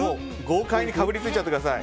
豪快にかぶりついちゃってください。